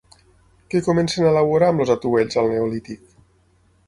Què comencen a elaborar amb els atuells al neolític?